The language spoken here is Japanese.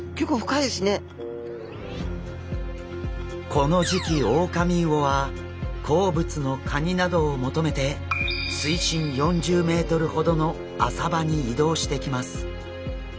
この時期オオカミウオは好物のカニなどを求めて水深４０ｍほどの浅場に移動してきます。